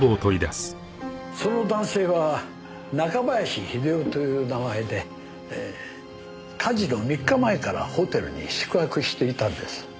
その男性は中林秀雄という名前で火事の３日前からホテルに宿泊していたんです。